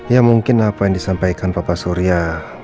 ya mungkin apa yang disampaikan bapak surya